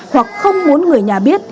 hoặc không muốn người nhà biết